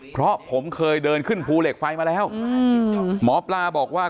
เพราะผมเคยเดินขึ้นภูเหล็กไฟมาแล้วหมอปลาบอกว่า